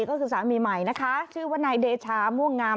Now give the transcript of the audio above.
ก็คือสามีใหม่นะคะชื่อว่านายเดชาม่วงงาม